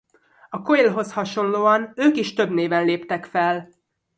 A Coilhoz hasonlóan ők is több néven léptek fel.